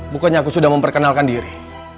bukannya aku sudah memperkenalkan diri